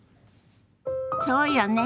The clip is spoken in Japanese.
そうよね。